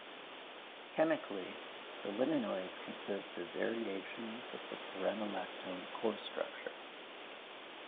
Chemically, the limonoids consist of variations of the furanolactone core structure.